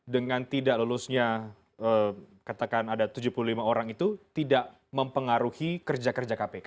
dengan tidak lulusnya katakan ada tujuh puluh lima orang itu tidak mempengaruhi kerja kerja kpk